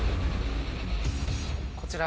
こちら。